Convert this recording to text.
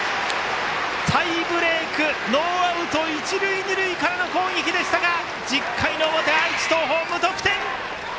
タイブレークノーアウト一塁二塁からの攻撃でしたが１０回の表、愛知・東邦、無得点。